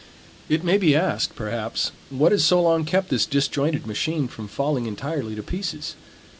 It may be asked, perhaps, what has so long kept this disjointed machine from falling entirely to pieces?